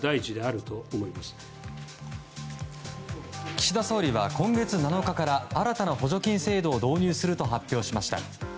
岸田総理は今月７日から新たな補助金制度を導入すると発表しました。